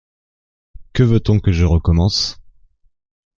Que veut-on que je recommence ?